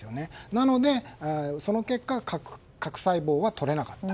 なので、その結果核細胞は取れなかった。